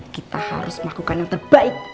kita harus melakukan yang terbaik